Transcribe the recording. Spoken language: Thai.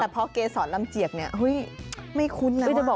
แต่พอเกษรลำเจี๊ยกเนี่ยไม่คุ้นแล้วว่ะ